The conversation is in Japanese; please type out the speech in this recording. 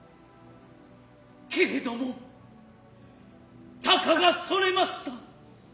けれども鷹がそれました。